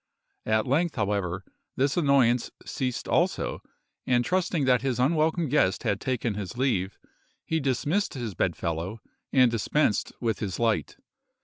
At length, however, this annoyance ceased also; and trusting that his unwelcome guest had taken his leave, he dismissed his bedfellow, and dispensed with his light.